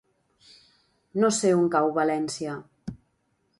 No sé on cau València.